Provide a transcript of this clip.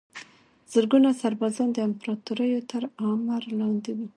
زرګونه سربازان د امپراتوریو تر امر لاندې وو.